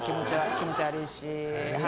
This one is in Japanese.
気持ち悪いし。